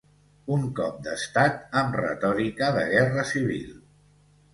Un cop d'estat amb retòrica de guerra civil